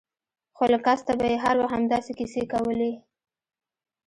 خو له کسته به يې هر وخت همداسې کيسې کولې.